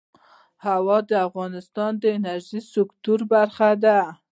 هوا د افغانستان د انرژۍ سکتور برخه ده.